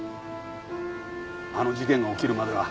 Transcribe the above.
あの事件が起きるまでは。